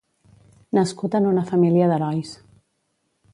Nascut en una família d'herois.